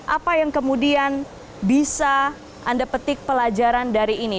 apa yang kemudian bisa anda petik pelajaran dari ini